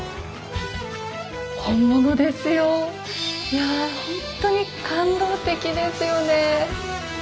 いやほんとに感動的ですよね。